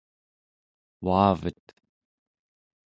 uavet